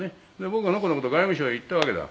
「僕がのこのこと外務省へ行ったわけだ」